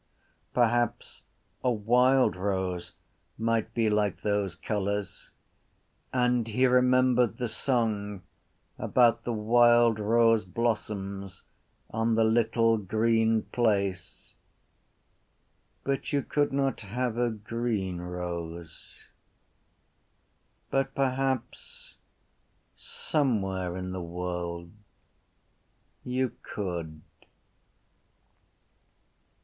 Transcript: Perhaps a wild rose might be like those colours and he remembered the song about the wild rose blossoms on the little green place. But you could not have a green rose. But perhaps somewhere in the world you could.